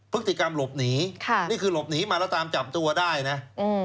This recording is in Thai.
พฤติกรรมหลบหนีค่ะนี่คือหลบหนีมาแล้วตามจับตัวได้นะอืม